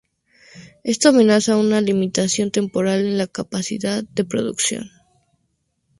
Esto amenaza con una limitación temporal en la capacidad de producción.